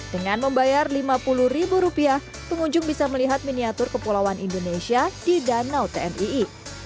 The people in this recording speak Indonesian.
dengan membayar lima puluh ribu rupiah pengunjung bisa melihat miniatur kepulauan indonesia di danau tmii